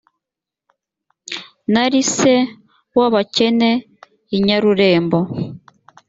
nari se w’abakene i nyarurembo